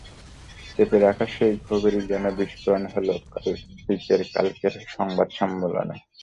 চেপে রাখা সেই ক্ষোভেরই যেন বিস্ফোরণ হলো পিকের কালকের সংবাদ সম্মেলনে।